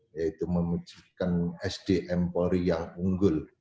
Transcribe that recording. yaitu mewujudkan sdm polri yang unggul